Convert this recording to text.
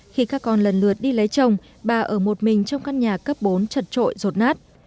khi các con lần lượt đi lấy chồng bà ở một mình trong căn nhà cấp bốn chật trội rột nát